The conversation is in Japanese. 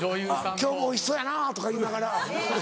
今日もおいしそうやな」とか言いながら。